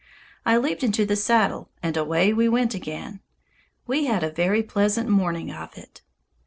I leaped into the saddle and away we went again. We had a very pleasant morning of it.